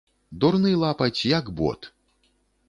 Дурны лапаць, як бот!